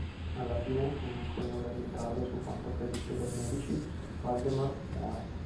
Alla fine, con alcune ore di ritardo su quanto previsto dai medici, Valdemar muore.